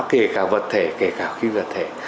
kể cả vật thể kể cả khí vật thể